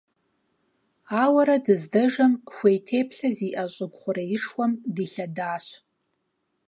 Ауэрэ дыздэжэм, хуей теплъэ зиIэ щIыгу хъуреишхуэм дилъэдащ.